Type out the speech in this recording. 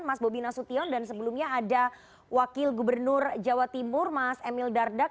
mas bobi nasution dan sebelumnya ada wakil gubernur jawa timur mas emil dardak